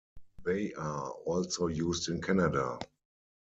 They are also used in Canada.